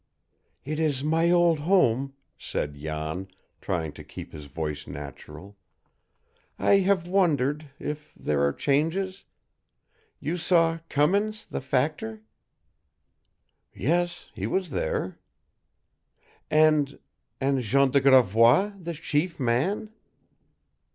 "It is my old home," said Jan, trying to keep his voice natural. "I have wondered if there are changes. You saw Cummins the factor?" "Yes, he was there." "And and Jean de Gravois, the chief man?"